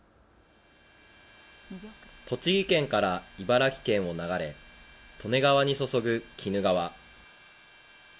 栃木県から茨城県を流れ利根川に注ぐ鬼怒川。